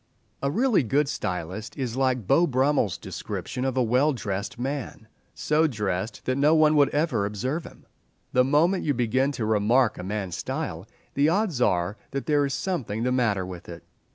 A really good stylist is like Beau Brummell's description of a well dressed man—so dressed that no one would ever observe him. The moment you begin to remark a man's style the odds are that there is something the matter with it.